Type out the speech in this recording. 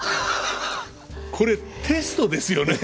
これテストですよね。